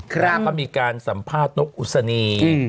เค้ามีการสัมภาษณ์นกอุสนี